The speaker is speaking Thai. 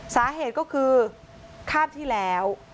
สาเหตุก็คือคาบที่แล้ว